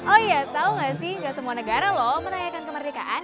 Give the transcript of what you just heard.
oh iya tau gak sih gak semua negara loh menanyakan kemerdekaan